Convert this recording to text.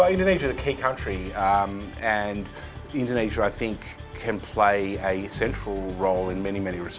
indonesia adalah negara utama dan indonesia bisa menjadi peran utama di banyak banyak hal